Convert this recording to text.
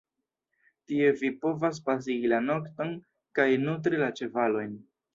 Tie vi povas pasigi la nokton kaj nutri la ĉevalojn.